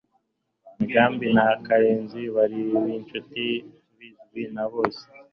Migambi na Karenzi bari inshuti bizwi na bose